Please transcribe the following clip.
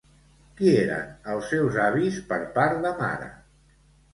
Qui eren els seus avis per part de mare?